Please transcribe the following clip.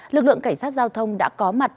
lực lượng cảnh sát giao thông đã có mặt